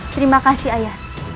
terima kasih ayah